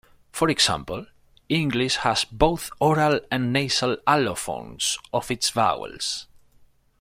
For example, English has both oral and nasal allophones of its vowels.